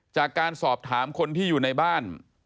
จากการสอบถามคนที่อยู่ในบ้าน